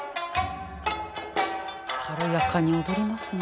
軽やかに踊りますね。